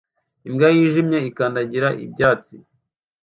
Imbwa yijimye ikandagira ibyatsi